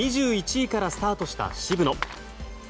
２１位からスタートした渋野。